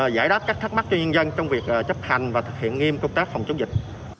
giải đáp các thắc mắc cho nhân dân trong việc chấp hành và thực hiện nghiêm công tác phòng chống dịch